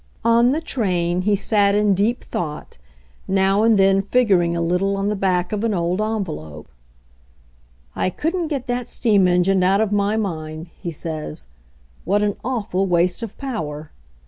On the train he sat in deep thought, now and then figuring a little on the back of an old envelope. "I couldn't get that steam engine out of my mind," he says. "What an awful waste of power!